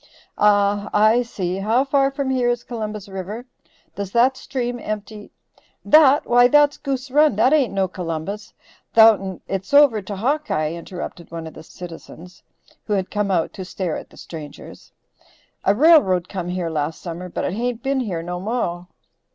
"Ah, I see. How far from here is Columbus River? Does that stream empty " "That, why, that's Goose Run. Thar ain't no Columbus, thout'n it's over to Hawkeye," interrupted one of the citizens, who had come out to stare at the strangers. "A railroad come here last summer, but it haint been here no mo'."